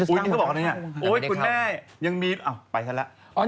อุ๊ยนี่เขาบอกว่านั่นเนี่ยโอ๊ยคุณแม่ยังมีอ้าวไปกันแล้ว